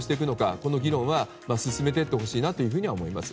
この議論は進めていってほしいと思います。